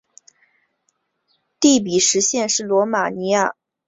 蒂米什县是罗马尼亚西部的一个县。